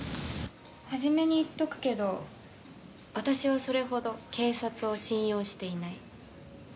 初めに言っとくけど私はそれほど警察を信用していない。